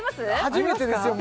初めてですよ